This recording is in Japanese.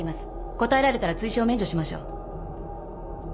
答えられたら追試を免除しましょう。